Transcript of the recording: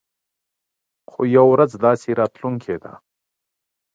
خو يوه ورځ داسې راتلونکې ده.